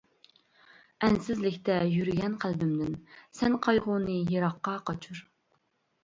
ئەنسىزلىكتە يۈرگەن قەلبىمدىن، سەن قايغۇنى يىراققا قاچۇر.